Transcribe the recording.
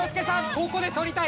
ここで取りたい。